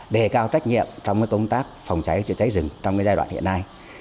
để cao trách nhiệm trong công tác phòng cháy cháy rừng trong giai đoạn hiện nay